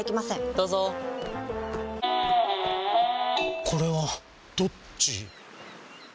どうぞこれはどっち？